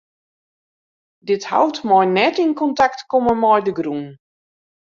Dit hout mei net yn kontakt komme mei de grûn.